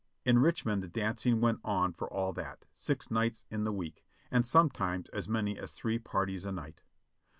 In Richmond the dancing went on for all that, six nights in the week, and sometimes as many as three parties a night.